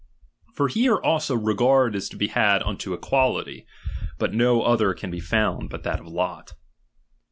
For here also regard is to be had unto ^ equality : but no other can be found but that of lot.